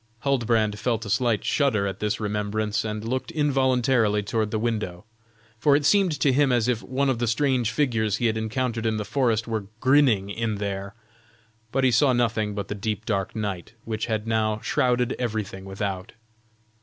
Huldbrand felt a slight shudder at this remembrance, and looked involuntarily toward the window, for it seemed to him as if one of the strange figures he had encountered in the forest were grinning in there; but he saw nothing but the deep dark night, which had now shrouded everything without.